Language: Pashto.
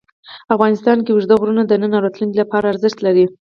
افغانستان کې اوږده غرونه د نن او راتلونکي لپاره ارزښت لري.